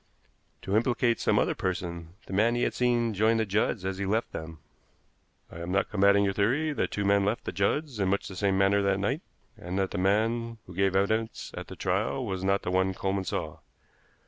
"To implicate some other person the man he had seen join the Judds as he left them." "I am not combating your theory that two men left the Judds in much the same manner that night, and that the man who gave evidence at the trial was not the one Coleman saw.